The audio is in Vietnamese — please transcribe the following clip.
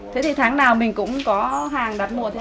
thế thì tháng nào mình cũng có hàng đặt mua thế này